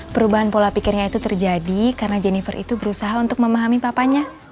perubahan pola pikirnya itu terjadi karena jennifer itu berusaha untuk memahami papanya